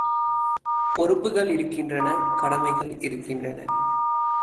பொறுப்புகள் இருக்கின்றன கடமைகள் இருக்கின்றன.